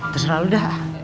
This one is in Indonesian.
terserah lu dah